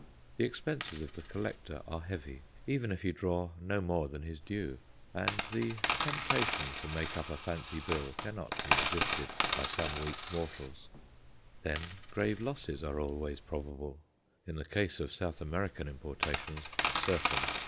The expenses of the collector are heavy, even if he draw no more than his due and the temptation to make up a fancy bill cannot be resisted by some weak mortals. Then, grave losses are always probable in the case of South American importations, certain.